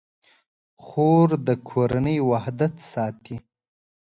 خور د کورنۍ وحدت ساتي.